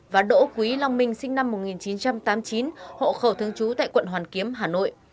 và đỗ quý long minh sinh năm một nghìn chín trăm tám mươi chín hộ khẩu thương chú tại quận hoàn kiếm hà nội